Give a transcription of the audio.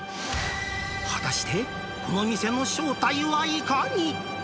果たして、この店の正体はいかに。